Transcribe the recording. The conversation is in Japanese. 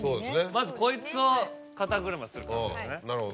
まずこいつを肩車する感じですね。